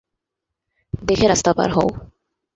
দেখে রাস্তা পার হও!